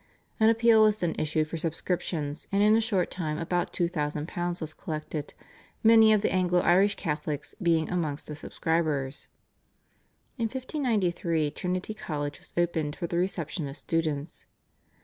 An appeal was then issued for subscriptions, and in a short time about £2,000 was collected, many of the Anglo Irish Catholics being amongst the subscribers. In 1593 Trinity College was opened for the reception of students.